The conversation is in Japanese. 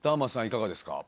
いかがですか？